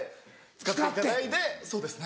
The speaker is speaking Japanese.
使っていただいてそうですね。